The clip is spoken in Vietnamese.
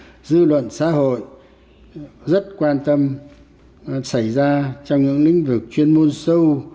và dư luận xã hội rất quan tâm xảy ra trong những lĩnh vực chuyên môn sâu